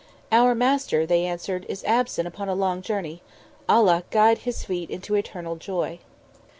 "Our Master," they answered, "is absent upon a long journey. Allah guide his feet into eternal joy."